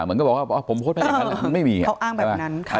มันก็บอกว่าพอผมโพสต์แพทย์แบบนั้นพอไม่มีอะเขาอ้างแบบนั้นค่ะ